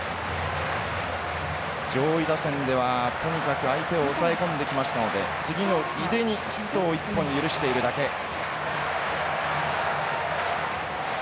上位打線ではとにかく相手を抑え込んできましたので次の井手にヒットを１本許しているだけ。